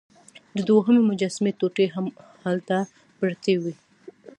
د دوهمې مجسمې ټوټې هم هلته پرتې وې.